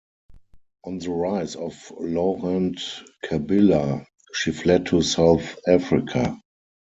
On the rise of Laurent Kabila, she fled to South Africa.